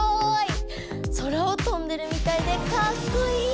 空をとんでるみたいでかっこいい！